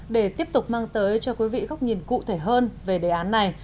để tiếp tục mang tới cho quý vị góc nhìn cụ thể hơn về đề án này